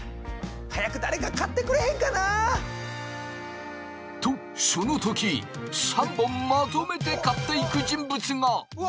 早く誰か買ってくれへんかな！とその時３本まとめて買っていく人物が！うわ！